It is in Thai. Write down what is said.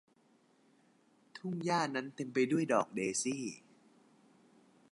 ทุ่งหญ้านั้นเต็มไปด้วยดอกเดซี่